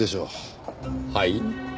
はい？